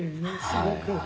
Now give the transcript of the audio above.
すごく。